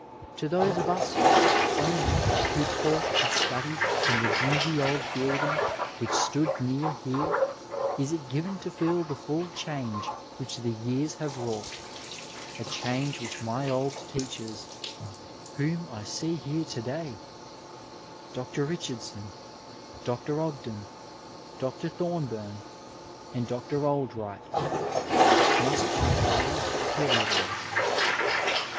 To those of us only who taught and studied in the dingy old building which stood near here is it given to feel the full change which the years have wrought, a change which my old teachers, whom I see here to day— Dr. Richardson, Dr. Ogden, Dr. Thorbum and Dr. Oldright — ^must find hard to realize.